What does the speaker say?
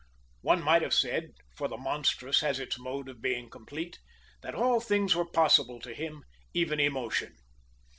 One might have said (for the monstrous has its mode of being complete) that all things were possible to him, even emotion.